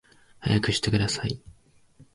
速くしてください